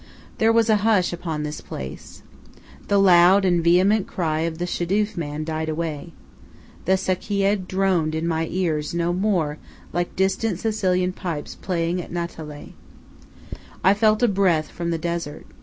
There was a hush upon this place. The loud and vehement cry of the shadoof man died away. The sakieh droned in my ears no more like distant Sicilian pipes playing at Natale. I felt a breath from the desert.